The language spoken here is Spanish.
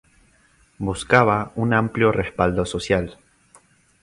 Buscaba un amplio respaldo social.